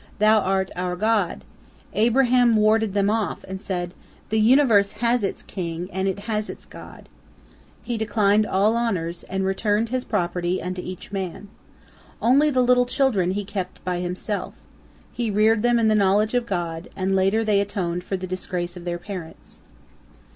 Thou art our god!" Abraham warded them off, and said, "The universe has its King, and it has its God!" He declined all honors, and returned his property unto each man. Only the little children he kept by himself. He reared them in the knowledge of God, and later they atoned for the disgrace of their parents.